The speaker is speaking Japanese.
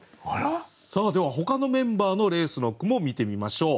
さあではほかのメンバーの「レース」の句も見てみましょう。